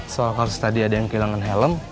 soal kasus tadi ada yang kehilangan helm